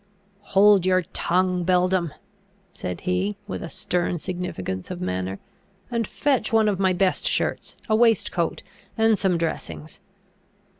"Hold your tongue, beldam!" said he, with a stern significance of manner, "and fetch one of my best shirts, a waistcoat, and some dressings."